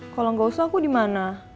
kalau gak usah aku dimana